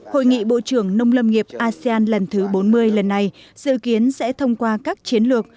hội nghị bộ trưởng nông lâm nghiệp asean lần thứ bốn mươi lần này dự kiến sẽ thông qua các chiến lược